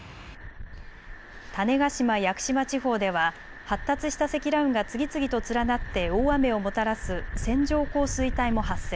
種子島・屋久島地方では発達した積乱雲が次々と連なって大雨をもたらす線状降水帯も発生。